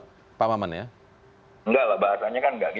enggak pak bahasanya kan enggak gitu